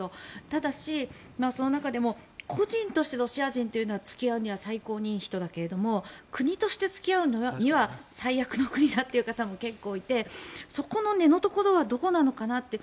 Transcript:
ただし、その中でも個人としてロシア人は付き合うには最高にいい人だけど国として付き合うには最悪の国だという方も結構いてそこの根のところはどこなのかなって。